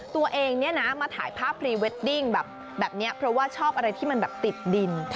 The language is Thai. ตัวเองเนี่ยนะมาถ่ายภาพพรีเวดดิ้งแบบนี้เพราะว่าชอบอะไรที่มันแบบติดดิน